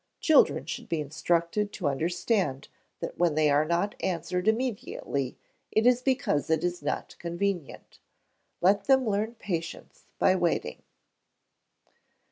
Children should be instructed to understand that when they are not answered immediately, it is because it is not convenient. Let them learn patience by waiting.